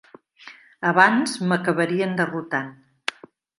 Abans m'acabarien derrotant.